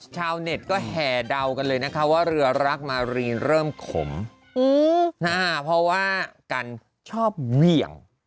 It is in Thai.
ชาวเน็ตก็แห่เดากันเลยนะคะว่าเรือรักมารีนเริ่มขมเพราะว่ากันชอบเหวี่ยง